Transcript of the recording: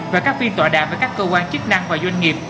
và các phiên tọa đàm với các cơ quan chức năng và doanh nghiệp